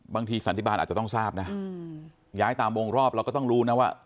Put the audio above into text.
สันติบาลอาจจะต้องทราบนะย้ายตามวงรอบเราก็ต้องรู้นะว่า